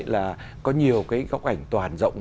là có nhiều cái góc ảnh toàn rộng